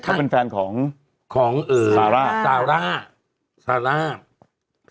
เขาเป็นแฟนของของเอ่อซาร่าซาร่าซาร่า